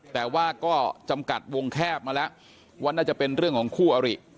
แต่ว่าก็จำกัดวงแคบมาแล้วว่าน่าจะเป็นเรื่องของคู่อริ